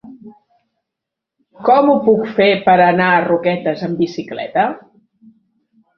Com ho puc fer per anar a Roquetes amb bicicleta?